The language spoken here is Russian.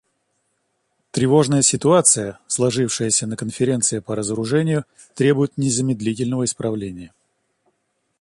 Тревожная ситуация, сложившаяся на Конференции по разоружению, требует незамедлительного исправления.